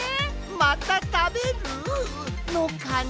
またたべる？のかね！？